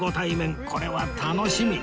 これは楽しみ